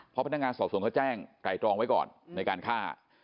เพราะพนักงานสอบสวนเขาแจ้งไตรตรองไว้ก่อนในการฆ่า